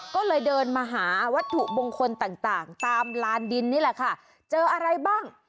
ก็เลยเดินมาหาวัตถุมงคลต่างต่างตามลานดินนี่แหละค่ะเจออะไรบ้าง